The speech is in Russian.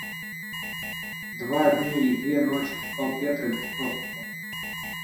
Два дни и две ночи спал Петро без просыпу.